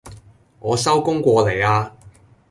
我收工過嚟呀